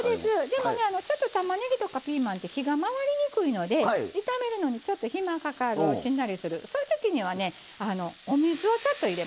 でもねたまねぎとかピーマンって火が回りにくいので炒めるのにちょっと暇かかるしんなりするそういう時にはねお水をちょっと入れますね。